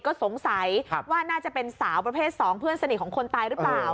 ก็สงสัยว่าน่าจะเป็นสาวประเภท๒เพื่อนสนิทของคนตายหรือเปล่า